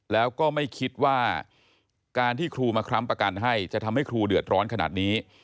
แล้วก็ไม่คิดว่าการที่ครูมาค้ำประกันให้จะทำให้ครูเดือดร้อนขนาดนี้